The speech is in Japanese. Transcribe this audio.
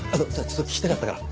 ちょっと聞きたかったから。